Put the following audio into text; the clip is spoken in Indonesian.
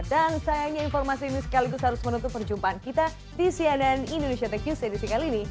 dan sayangnya informasi ini sekaligus harus menutup perjumpaan kita di cnn indonesia tech news edisi kali ini